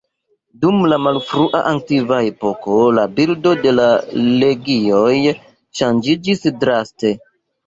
Dum la malfrua antikva epoko la bildo de la legioj ŝanĝiĝis draste.